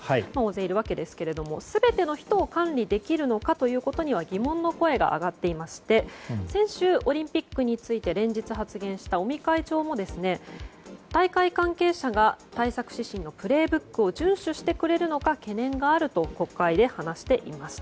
大勢いるわけですが、全ての人を管理できるのかということには疑問の声が上がっていまして先週、オリンピックについて連日発言した尾身会長も大会関係者が対策指針の「プレイブック」を順守してくれるのか懸念があると国会で話していました。